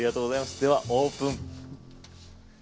ではオープン。